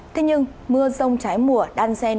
thế nhưng mưa rông trái mùa đan xen